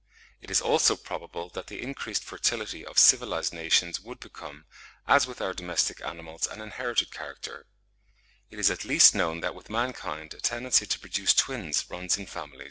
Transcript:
It is also probable that the increased fertility of civilised nations would become, as with our domestic animals, an inherited character: it is at least known that with mankind a tendency to produce twins runs in families.